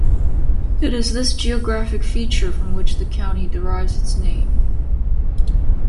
It is this geographic feature from which the county derives its name.